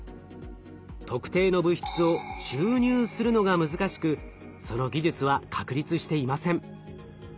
特定の物質を注入するのが難しくその技術は確立していません。